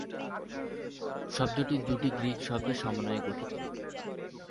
শব্দটি দু'টি গ্রিক শব্দের সমন্বয়ে গঠিত।